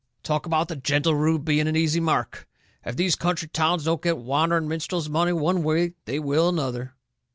Talk about the gentle Rube being an easy mark! If these country towns don't get the wandering minstrel's money one way they will another!"